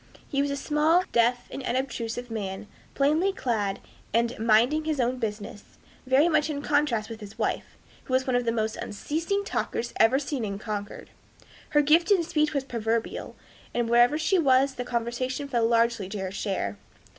He was a small, deaf, and unobtrusive man, plainly clad, and "minding his own business;" very much in contrast with his wife, who was one of the most unceasing talkers ever seen in Concord. Her gift in speech was proverbial, and wherever she was the conversation fell largely to her share.